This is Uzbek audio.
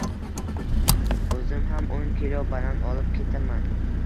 Oʻzim ham oʻn kilo banan olib ketaman.